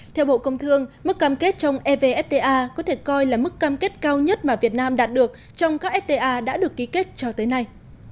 theo bộ công thương mức cam kết trong evfta có thể coi là mức cam kết cao nhất mà việt nam đạt được trong các fta đã được ký kết cho tới nay